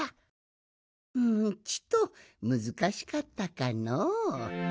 うんちとむずかしかったかの。